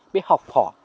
biết học khỏ